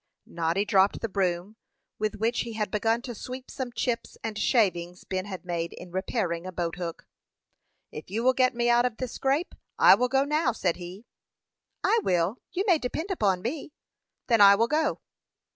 Noddy dropped the broom with which he had begun to sweep up some chips and shavings Ben had made in repairing a boat hook. "If you will get me out of the scrape, I will go now," said he. "I will; you may depend upon me." "Then I will go."